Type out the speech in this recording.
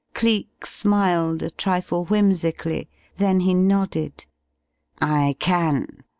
Cleek smiled a trifle whimsically, then he nodded. "I can.